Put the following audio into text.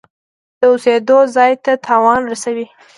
د اوسیدو چاپیریال ته تاوان نه رسوي.